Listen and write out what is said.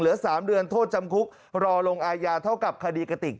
เหลือ๓เดือนโทษจำคุกรอลงอายาเท่าว่าขดีกะติก